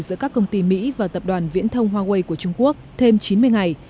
giữa các công ty mỹ và tập đoàn viễn thông huawei của trung quốc thêm chín mươi ngày